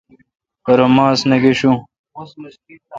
پرہ ماس نہ گشون۔